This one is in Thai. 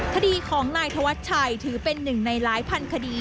คดีของนายธวัชชัยถือเป็นหนึ่งในหลายพันคดี